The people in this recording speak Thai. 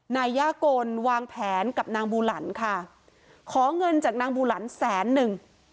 นาย่ากลวางแผนกับนางบุหลันภรรยาขอเงินจากนางบุหลันภรรยาแสนนึง